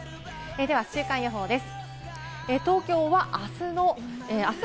では週間予報です。